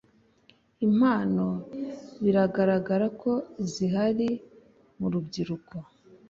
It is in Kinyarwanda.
Impano biragaragara ko zihari mu rubyiruko